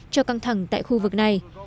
cho căng thẳng tại khu vực này